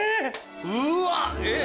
うわえっ？